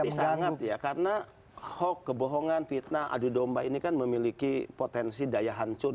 tapi sangat ya karena hoax kebohongan fitnah adu domba ini kan memiliki potensi daya hancur